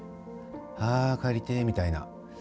あー帰りてーみたいな。